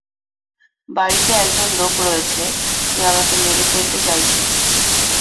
বাড়িতে একজন লোক রয়েছে যে আমাকে মেরে ফেলতে চাইছে।